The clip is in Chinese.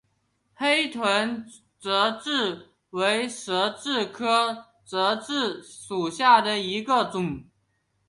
黑臀泽蛭为舌蛭科泽蛭属下的一个种。